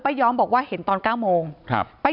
ที่มีข่าวเรื่องน้องหายตัว